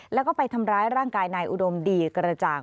แล้วก็ไปทำร้ายร่างกายนายอุดมดีกระจ่าง